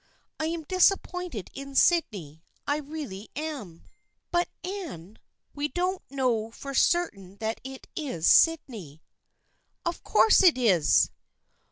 I am disappointed in Sydney. I really am." " But, Anne, we don't know for certain that it is Sydney." " Of course it is